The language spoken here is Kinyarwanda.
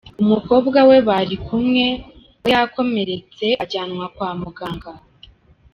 Umukobwa we bari kumwe we yakomeretse ajyanwa kwa muganga.